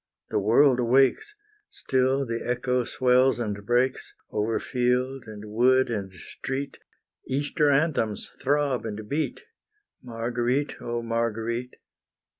the world awakes, Still the echo swells and breaks, Over field, and wood, and street Easter anthems throb and beat, Marguerite, oh Marguerite!